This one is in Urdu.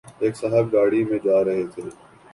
ایک صاحب گاڑی میں جارہے تھے